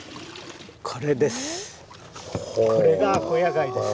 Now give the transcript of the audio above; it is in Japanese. これです。